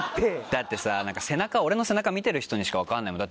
だって俺の背中見てる人にしか分かんないもん。